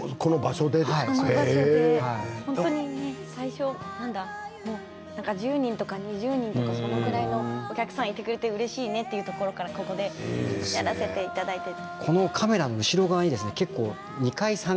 この場所で最初１０人とか２０人とかそれぐらいのお客さんがいてくれたらうれしいなと思ってたところからここでやらせていただいていて。